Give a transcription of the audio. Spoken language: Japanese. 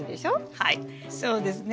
はいそうですね。